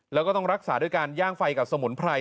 แล้วก็ต้องรักษาด้วยการย่างไฟกับสมุนไพร